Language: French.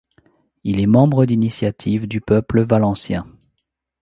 Il est membre d'Initiative du peuple valencien.